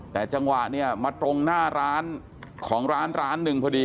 แต่จังหวะเนี่ยมาตรงหน้าร้านของร้านร้านหนึ่งพอดี